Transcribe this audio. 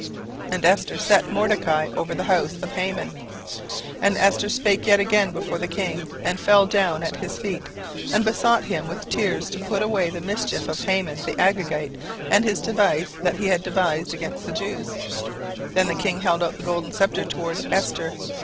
And Esther set Mordecai over the house of Haman. 17:008:003 And Esther spake yet again before the king, and fell down at his feet, and besought him with tears to put away the mischief of Haman the Agagite, and his device that he had devised against the Jews. 17:008:004 Then the king held out the golden sceptre toward Esther.